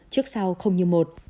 trước sau không như một